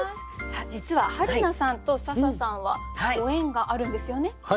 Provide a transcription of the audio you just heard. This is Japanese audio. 実ははるなさんと笹さんはご縁があるんですよね？